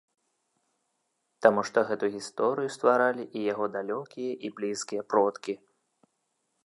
Таму што гэту гісторыю стваралі і яго далёкія і блізкія продкі.